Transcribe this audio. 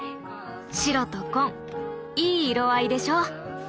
白と紺いい色合いでしょ。